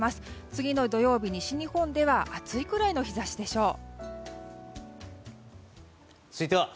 次の土曜日、西日本では暑いくらいの日差しでしょう。